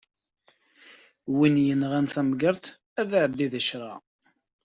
Win yenɣan tamgerḍt ad iɛeddi di ccṛeɛ.